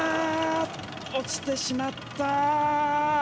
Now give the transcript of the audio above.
落ちてしまった。